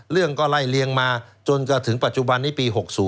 เรื่องก็ไล่เลี้ยงมาจนกระถึงปัจจุบันนี้ปี๖๐